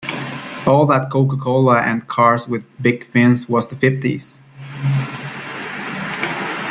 All that Coca-Cola and cars with big fins was the Fifties!